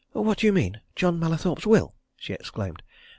"What do you mean? John Mallathorpe's will!" she exclaimed.